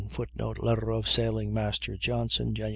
[Footnote: Letter of Sailing master Johnson, Jan.